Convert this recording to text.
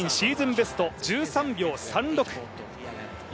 ベスト１３秒３６。